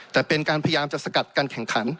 แต่เป็นการพยายามจะสกัดการแข่งขัน